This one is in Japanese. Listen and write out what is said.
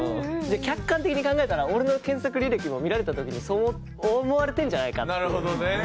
客観的に考えたら俺の検索履歴も見られた時にそう思われてるんじゃないかっていう。